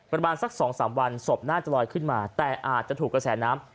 ประมาณสัก๒๓วันศพน่าจะลอยขึ้นมาแต่อาจจะถูกกระแสน้ำ